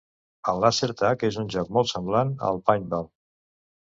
El Làser Tag és un joc molt semblant al paintball.